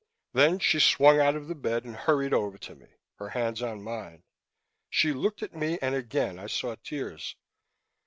Then she swung out of the bed and hurried over to me, her hands on mine. She looked at me and again I saw tears.